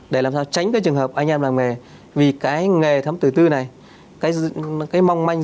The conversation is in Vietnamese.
để làm sao tránh cái trường hợp anh em làng nghề vì cái nghề thấm từ tư này cái mong manh